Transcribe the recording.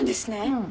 うん。